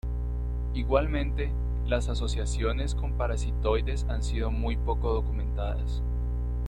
Igualmente, las asociaciones con parasitoides han sido muy poco documentadas.